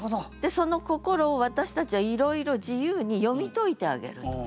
その心を私たちはいろいろ自由に読み解いてあげると。